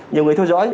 nhiều người theo dõi